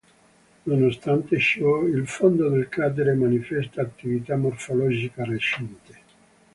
Nonostante ciò, il fondo del cratere manifesta attività morfologica recente.